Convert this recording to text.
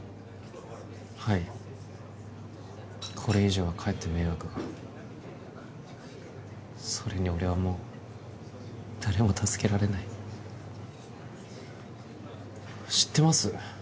はいこれ以上はかえって迷惑がそれに俺はもう誰も助けられない知ってます？